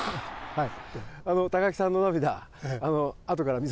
はい。